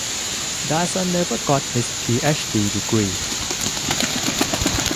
Dyson never got his PhD degree.